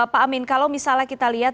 pak amin kalau misalnya kita lihat